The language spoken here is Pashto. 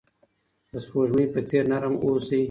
د سپوږمۍ په څیر نرم اوسئ.